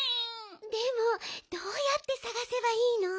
でもどうやってさがせばいいの？